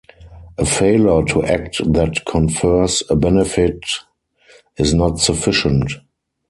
A failure to act that confers a benefit is not sufficient.